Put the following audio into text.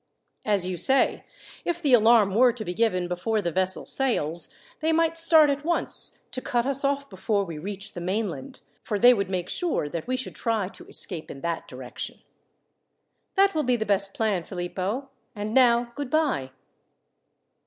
As you say, if the alarm were to be given before the vessel sails, they might start at once to cut us off before we reach the mainland, for they would make sure that we should try to escape in that direction." "That will be the best plan, Philippo; and now goodbye."